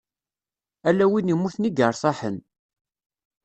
Ala win immuten i yeṛtaḥen.